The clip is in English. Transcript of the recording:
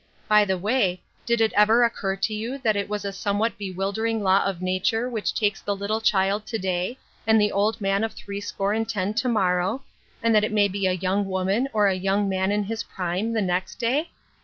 By the way, did it ever occur to you that it was a somewhat bewildering law of nature which takes the little child to day, and the old man of threescore and ten to morrow ; and it may be a young woman, or a young man in his prime, the next day